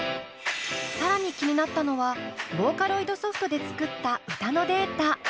更に気になったのはボーカロイドソフトで作った歌のデータ。